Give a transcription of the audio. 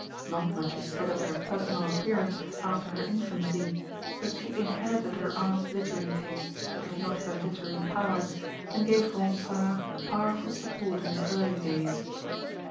Not much is said of her personal appearance after her infancy; but she inherited her aunt's literary tastes, if not her literary powers, and gave Ronsard powerful support in his early days.